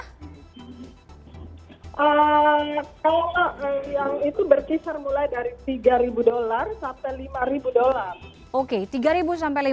kalau yang itu berkisar mulai dari tiga dolar sampai lima dolar